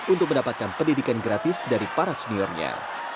untuk mendapatkan pendidikan gratis dari para seniornya